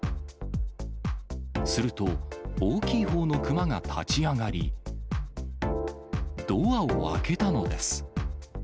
すると、大きいほうの熊が立ち上がり、ドアを開けたのです。